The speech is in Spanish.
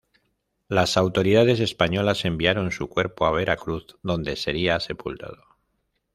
Las autoridades españolas enviaron su cuerpo a Veracruz, donde sería sepultado.